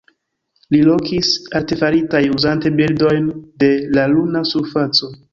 Li lokis artefaritaj uzante bildojn de la luna surfaco.